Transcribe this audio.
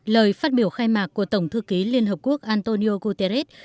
lời phát biểu khai mạc của tổng thư ký liên hợp quốc antonio guterres